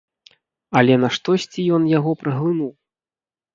Але наштосьці ён яго праглынуў!